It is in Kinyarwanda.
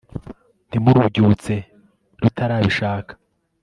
ntimurubyutse rutarabishaka